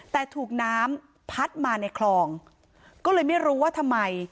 แต่ถูกน้ำพัดมาในคลองก็เลยไม่รู้ว่าทำไม